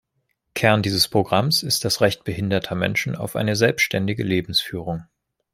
Kern dieses Programms ist das Recht behinderter Menschen auf eine selbständige Lebensführung.